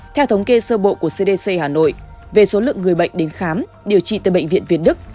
theo thống kê sơ bộ của cdc hà nội về số lượng người bệnh đến khám điều trị tại bệnh viện việt đức